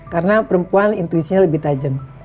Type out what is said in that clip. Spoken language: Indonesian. karena perempuan intuitinya lebih tajam